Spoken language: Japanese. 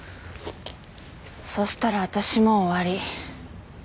そしたら私も終わり。